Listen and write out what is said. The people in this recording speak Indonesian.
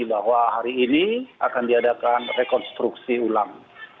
bahwa hari ini akan diadakan rekonstruksi ulang